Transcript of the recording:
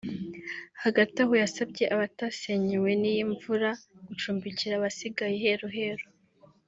Hagati aho yasabye abatasenyewe n’iyi mvura gucumbikira abasigaye iheruheru